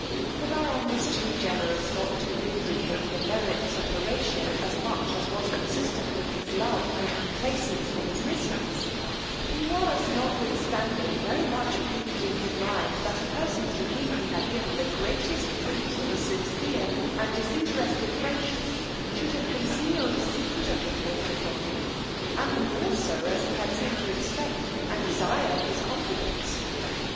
The baron was too generous not to vindicate the merits of Horatio, as much as was consistent with his love and complaisance for his mistress: he was notwithstanding very much picqued in his mind that a person, to whom he had given the greatest proofs of a sincere and disinterested friendship, should have concealed a secret of this nature from him, and the more so, as he had seemed to expect and desire his confidence.